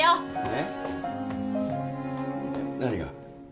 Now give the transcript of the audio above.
えっ何が？